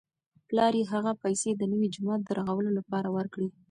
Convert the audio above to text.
پلار یې هغه پیسې د نوي جومات د رغولو لپاره ورکړې.